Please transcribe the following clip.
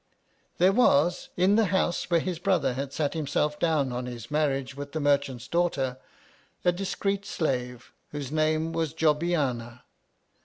There was, in the House where his brother had sat himself down on his marriage with the merchant's daughter, a discreet slave whose name was Jobbiana.